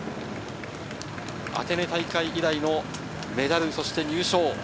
アテネ大会以来のメダル、そして入賞。